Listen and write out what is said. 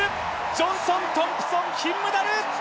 ジョンソン・トンプソン金メダル！